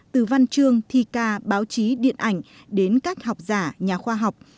từ văn chương thi ca báo chí điện ảnh đến các học giả nhà khoa học